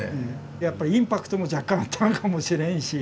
やっぱインパクトも若干あったのかもしれんし。